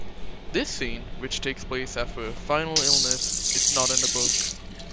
This scene, which takes place after her final illness, is not in the book.